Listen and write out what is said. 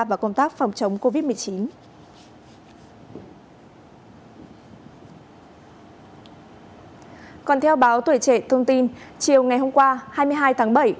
vào công tác phòng chống covid một mươi chín còn theo báo tuổi trễ thông tin chiều ngày hôm qua hai mươi hai tháng bảy